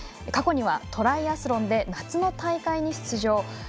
過去には、トライアスロンで夏の大会に出場。